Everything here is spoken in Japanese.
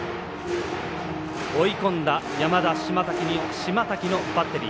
追い込んだ山田、島瀧のバッテリー。